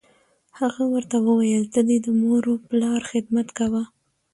هغه ورته وویل: ته دې د مور و پلار خدمت کوه.